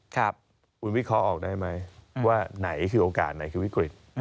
คุณวิเคราะห์ออกได้ไหมว่าไหนคือโอกาสไหนคือวิกฤต